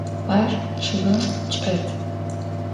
Ar ççıgım çç'et.